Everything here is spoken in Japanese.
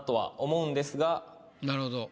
なるほど。